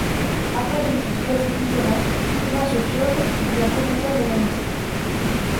Après des études classiques littéraires, Tommaso Fiore devient professeur dans un lycée.